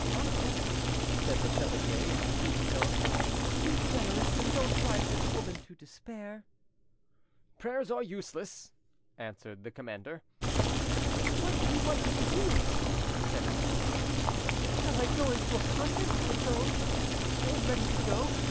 "Uncle," said the chevalier in a pleading tone, "be generous, and don't drive this woman to despair." "Prayers are useless!" answered the commander. "What do you want me to do?" said Angelique. "Shall I go into a convent to atone? I am ready to go.